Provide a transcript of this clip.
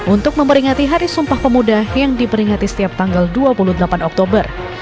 untuk memperingati hari sumpah pemuda yang diperingati setiap tanggal dua puluh delapan oktober